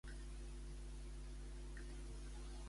Són necessaris més centres de processament de refugiats.